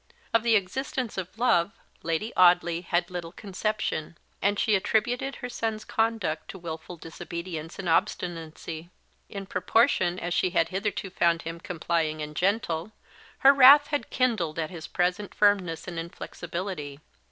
Of the existence of love Lady Audley had little conception; and she attributed her son's conduct to wilful disobedience and obstinacy. In proportion as she had hitherto found him complying and gentle, her wrath had kindled at his present firmness and inflexibility.